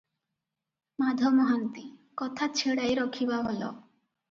ମାଧ ମହାନ୍ତି- କଥା ଛିଡ଼ାଇ ରଖିବା ଭଲ ।